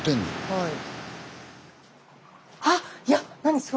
はい。